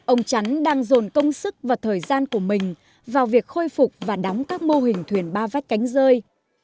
ông chắn đang dồn công sức và thời gian của mình vào việc khôi phục và đóng các mô hình thuyền ba vách cánh rơi